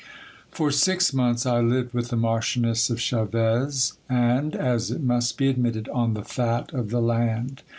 For six months I lived with the Marchioness of Chaves, and, as it must be ad mitted, on the fat of the land.